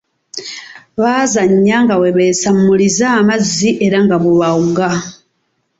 Baazanya nga bwe beesammuliza amazzi era nga bwe bawuga.